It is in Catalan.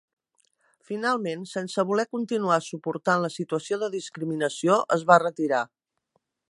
Finalment, sense voler continuar suportant la situació de discriminació, es va retirar.